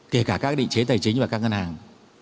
kể cả các định chế tài chính và các ngân hàng